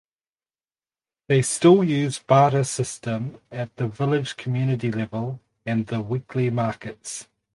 They still use barter system at the village community level and the weekly markets.